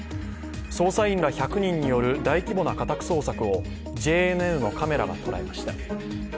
捜査員ら１００人による大規模な家宅捜索をＪＮＮのカメラが捉えました。